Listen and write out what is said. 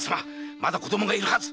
まだ子供がいるはず！